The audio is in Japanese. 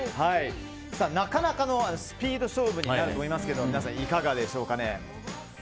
なかなかのスピード勝負になると思いますけど皆さん、いかがでしょうかね。